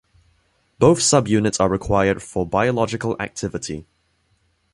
Both subunits are required for biological activity.